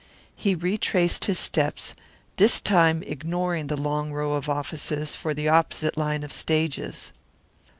He retraced his steps, this time ignoring the long row of offices for the opposite line of stages.